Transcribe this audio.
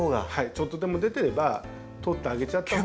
ちょっとでも出てれば取ってあげちゃったほうが。